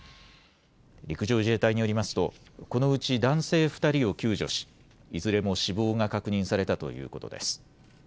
陸上自衛隊によりますとこのうち男性２人を救助しいずれも死亡が確認されたということです。